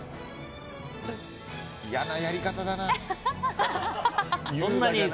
嫌なやり方だな。